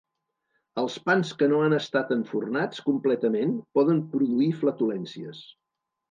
Els pans que no han estat enfornats completament poden produir flatulències.